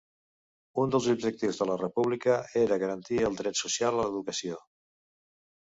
Un dels objectius de la República era garantir el dret social a l'educació.